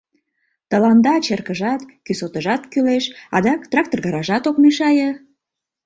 — Тыланда черкыжат, кӱсотыжат кӱлеш, адак трактор гаражат ок мешае.